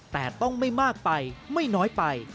แต่ต้องไม่มากไปไม่น้อยไป